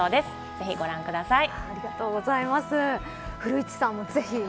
ぜひご覧ください。